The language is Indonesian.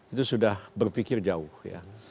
itu sudah berpikir jauh ya